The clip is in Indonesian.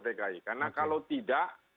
dki karena kalau tidak